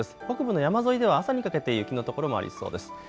北部の山沿いでは朝にかけて雪の所もありそうです。